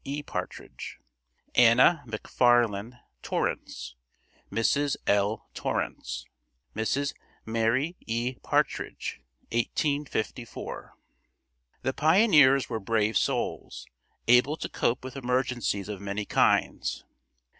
E. Partridge) ANNA MACFARLANE TORRANCE (Mrs. Ell Torrance) Mrs. Mary E. Partridge 1854. The pioneers were brave souls, able to cope with emergencies of many kinds.